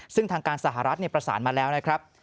ซึ่งทางการสหรัฐประสานมาแล้วนะครับ